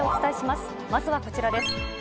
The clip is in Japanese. まずはこちらです。